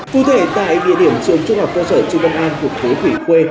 phụ thể tại địa điểm trường trung học cơ sở trung công an của phố thủy khuê